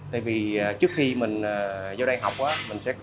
tại vì trước khi mình vô đây học